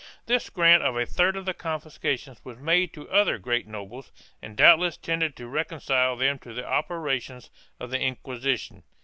1 This grant of a third of the confiscations was made to other great nobles and doubtless tended to reconcile them to the operations of the Inquisition.